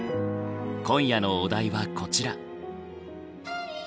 今夜のお題はこちら。